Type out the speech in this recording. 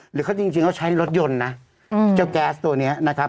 หรือเขาจริงเขาใช้รถยนต์นะเจ้าแก๊สตัวนี้นะครับ